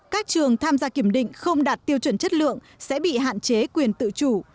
các trường tham gia kiểm định không đạt tiêu chuẩn chất lượng sẽ bị hạn chế quyền tự chủ